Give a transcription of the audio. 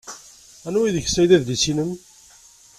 Anwa deg-sen ay d adlis-nnem?